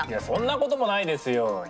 そんなこともないですよ。